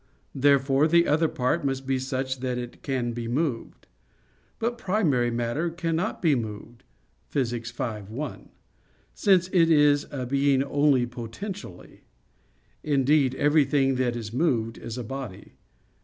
Therefore the other part must be such that it can be moved. But primary matter cannot be moved (Phys. v, 1), since it is a being only potentially; indeed everything that is moved is a body.